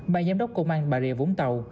bà giám đốc công an bà rệ vũng tàu